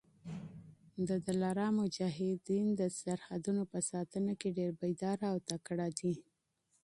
د دلارام مجاهدین د سرحدونو په ساتنه کي ډېر بېداره او تکړه دي.